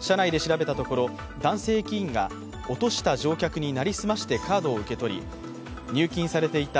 社内で調べたところ、男性駅員が落とした乗客に成り済ましてカードを受け取り、入金されていた